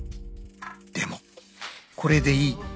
［でもこれでいい］